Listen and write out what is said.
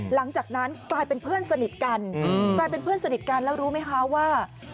หลังจากนั้นกลายเป็นเพื่อนสนิทกันแล้วรู้ไหมคะว่า